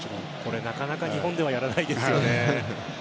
なかなか日本ではやらないですよね。